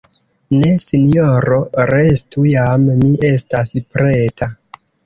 Ne, Sinjoro, restu; jam mi estas preta.